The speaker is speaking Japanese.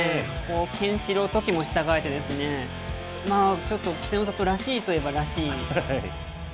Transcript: ケンシロウ、トキも従えて、ちょっと稀勢の里らしいといえば、らしい。